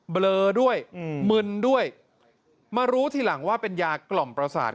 เบลอด้วยมึนด้วยมารู้ทีหลังว่าเป็นยากล่อมประสาท